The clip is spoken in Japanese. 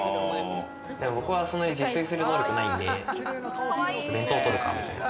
でも僕は自炊する能力がないんで、弁当を取るかみたいな。